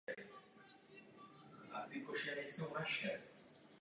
Za druhé, měnová unie doposud nebyla vystavena tvrdé zkoušce.